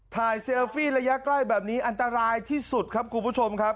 เซลฟี่ระยะใกล้แบบนี้อันตรายที่สุดครับคุณผู้ชมครับ